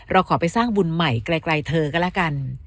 เราขอไปสร้างบุญใหม่ไกลเธอก็แล้วกัน